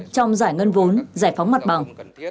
trong giải ngân vốn giải phóng mặt bằng